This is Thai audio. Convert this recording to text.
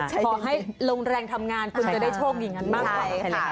ขอให้ลงแรงทำงานคุณจะได้โชคอย่างนั้นมากกว่า